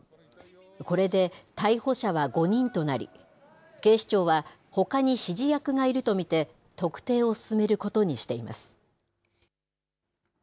これで逮捕者は５人となり、警視庁はほかに指示役がいると見て、特定を進めることにしています。